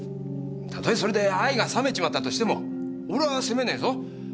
例えそれで愛が冷めちまったとしても俺は責めねえぞ。